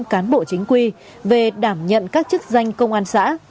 một trăm linh năm cán bộ chính quy về đảm nhận các chức danh công an xã